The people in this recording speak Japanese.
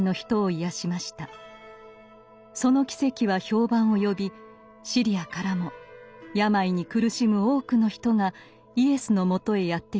その奇跡は評判を呼びシリアからも病に苦しむ多くの人がイエスのもとへやって来ました。